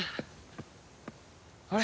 あれ？